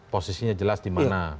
posisinya jelas dimana